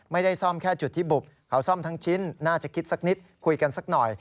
ไม่ได้ซ่อมแค่จุดที่บุบเขาซ่อมทั้งชิ้นน่าจะคิดสักนิดคุยกันสักหน่อย